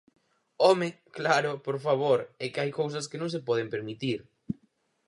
¡Home, claro, por favor! É que hai cousas que non se poden permitir.